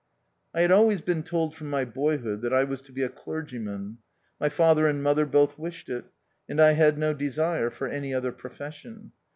I had always been told from my boy hood that I was to be a clergyman ; my lather and mother both wished it ; and I had no desire for any other profession.